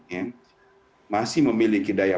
yang masih memiliki daya